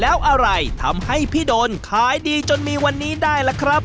แล้วอะไรทำให้พี่โดนขายดีจนมีวันนี้ได้ล่ะครับ